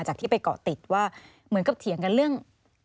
จากที่ไปเกาะติดว่าเหมือนกับเถียงกันเรื่อง